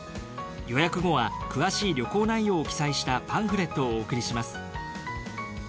予約後は詳しい旅行内容を記載したパンフレットをお送りします。